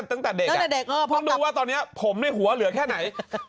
ต้องดูว่าตอนนี้ผมในหัวเหลือแค่ไหน